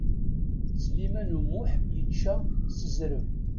Sliman U Muḥ yečča s zreb.